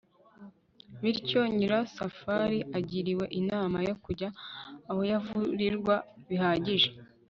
bityo nyirasafari agiriwe inama yo kujya aho yavurirwa bihagije